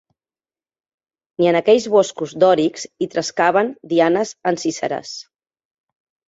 Ni en aquells boscos dòrics hi trescaven Dianes enciseres